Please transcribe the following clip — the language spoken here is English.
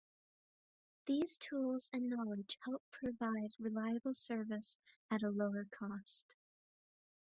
These tools and knowledge help provide reliable service at lower cost.